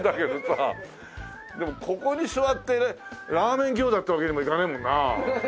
でもここに座ってラーメン餃子ってわけにもいかねえもんな。